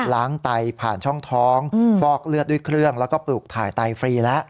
ไตผ่านช่องท้องฟอกเลือดด้วยเครื่องแล้วก็ปลูกถ่ายไตฟรีแล้ว